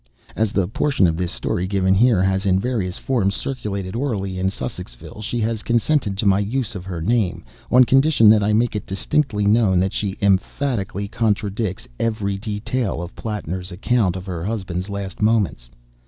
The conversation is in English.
As the portion of this story given here has in various forms circulated orally in Sussexville, she has consented to my use of her name, on condition that I make it distinctly known that she emphatically contradicts every detail of Plattner's account of her husband's last moments.